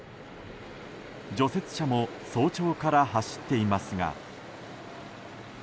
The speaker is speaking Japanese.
除雪車も早朝から走っていますが。